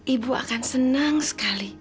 ibu akan senang sekali